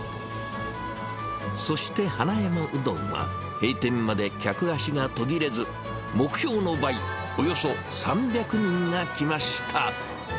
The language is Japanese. そして花山うどんは、閉店まで客足が途切れず、目標の倍、およそ３００人が来ました。